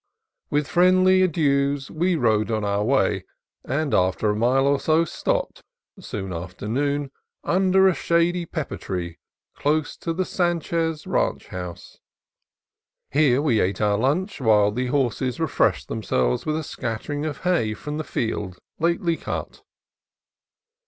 With friendly adieus we rode on our way, and after a mile or two stopped, soon after noon, under a shady pepper tree close to the Sanchez Ranch house. Here we ate our lunch while the horses re freshed themselves with a scattering of hay from the field, lately cut.